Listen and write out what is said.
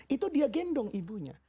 itu dia gendong ibunya